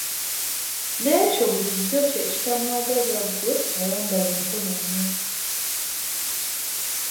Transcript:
N'ekyo bulijjo kye kitamwagaza ggwe ayambala enkunamyo.